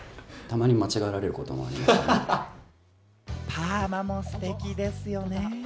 パーマもステキですよね。